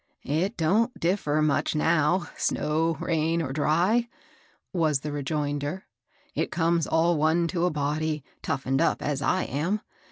" It don't differ much now, snow, rain, or dry,'* was the rejoinder. ^^It comes all one to a body, toughened up, as I am.